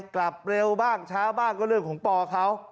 กลับเร็วบ้างช้าบ้างก็เรื่องของปอเขา